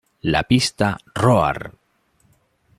La pista "Roar!